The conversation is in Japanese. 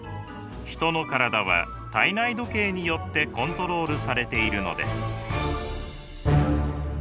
人の体は体内時計によってコントロールされているのです。